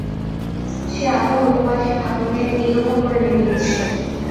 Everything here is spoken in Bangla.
সে আপন উপবাসী ভাগ্যকে একরকম করে মেনে নিয়েছিল।